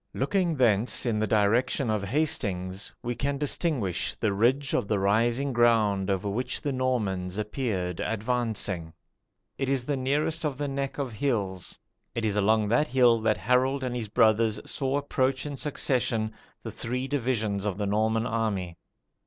Looking thence in the direction of Hastings, we can distinguish the "ridge of the rising ground over which the Normans appeared advancing." It is the nearest of the neck of hills. It is along that hill that Harold and his brothers saw approach in succession the three divisions of the Norman army.